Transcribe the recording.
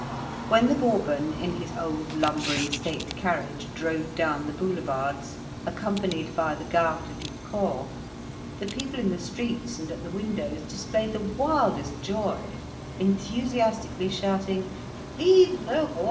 When the Bourbon, in his old lumbering state carriage, drove down the Boulevards, accompanied by the Garde du Corps, the people in the streets and at the windows displayed the wildest joy, enthusiastically shouting "Vive le Roi!"